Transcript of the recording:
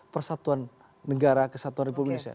persatuan negara kesatuan republik indonesia